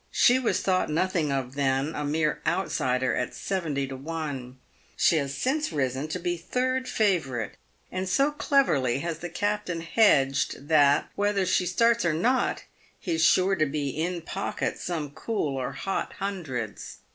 She was thought nothing of then — a mere out sider at 70 to 1. She has since risen to be third favourite, and so cleverly has the captain hedged, that, whether she starts or not, he is sure to be in pocket some cool or hot hundreds.